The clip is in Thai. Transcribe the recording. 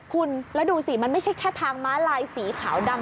คุณแล้วดูสิมันไม่ใช่แค่ทางม้าลายสีขาวดำ